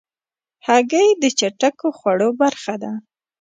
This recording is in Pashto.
هګۍ د چټکو خوړو برخه ده.